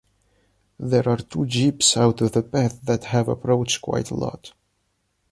There are two Jeeps out of the path that have approached quite a lot.